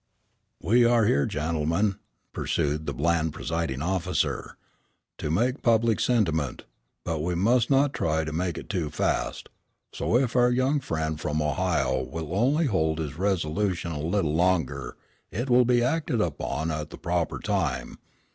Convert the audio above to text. ] "We are here, gentlemen," pursued the bland presiding officer, "to make public sentiment, but we must not try to make it too fast; so if our young friend from Ohio will only hold his resolution a little longer, it will be acted upon at the proper time.